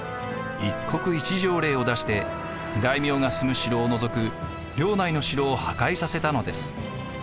一国一城令を出して大名が住む城を除く領内の城を破壊させたのです。